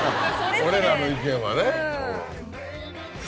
俺らの意見はね。